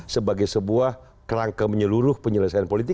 sebagai sebuah kerangka menyeluruh penyelesaian politik